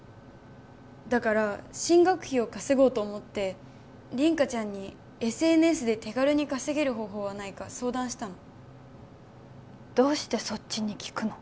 だから進学費を稼ごうと思って凛花ちゃんにＳＮＳで手軽に稼げる方法はないか相談したのどうしてそっちに聞くの？